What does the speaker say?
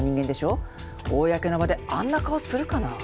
公の場であんな顔するかな？